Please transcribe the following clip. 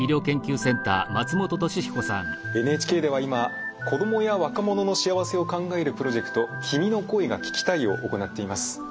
ＮＨＫでは今子供や若者の幸せを考えるプロジェクト「君の声が聴きたい」を行っています。